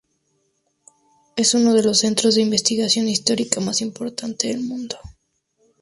Es uno de los centros de investigación histórica más importantes del mundo.